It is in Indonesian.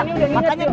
aneh udah inget